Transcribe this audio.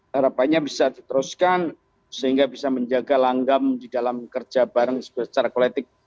harapannya bisa diteruskan sehingga bisa menjaga langgam di dalam kerja bareng secara kolektik